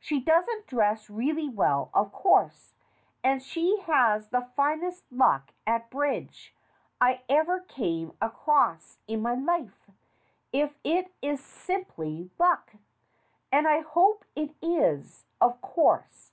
She doesn't dress really well, of course, and she has the finest luck at bridge I ever came across in my life, if it is simply luck. And I hope it is, of course."